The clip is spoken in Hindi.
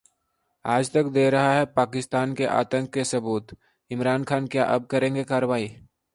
आजतक दे रहा पाकिस्तान के आतंक के सबूत, इमरान खान क्या अब करेंगे कार्रवाई?